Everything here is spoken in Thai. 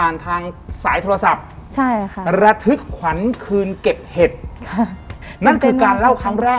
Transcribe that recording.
ไม่ใช่ท็อปฟี่สัมบัติ๕๐เนี่ยคนละคน